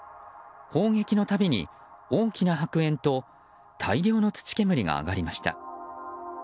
砲撃のたびに、大きな白煙と大量の土煙が上がりました。